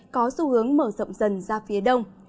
có xu hướng mở rộng dần ra phía đông